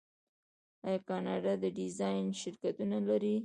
آیا کاناډا د ډیزاین شرکتونه نلري؟